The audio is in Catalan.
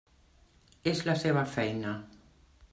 És la seva feina.